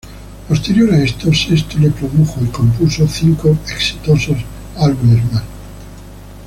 Posterior a esto, Sesto le produjo y compuso cinco exitosos álbumes más.